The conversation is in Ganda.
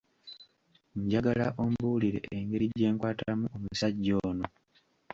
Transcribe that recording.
Njagala ombuulire engeri gye nkwatamu omusajja ono.